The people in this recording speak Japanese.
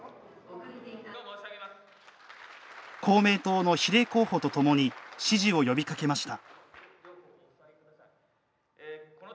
公明党の比例候補とともに支持を呼びかけました。